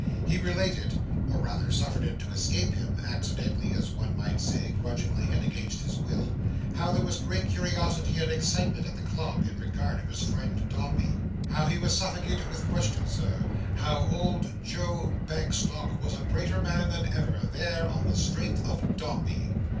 He related, or rather suffered it to escape him, accidentally, and as one might say, grudgingly and against his will, how there was great curiosity and excitement at the club, in regard of his friend Dombey. How he was suffocated with questions, Sir. How old Joe Bagstock was a greater man than ever, there, on the strength of Dombey.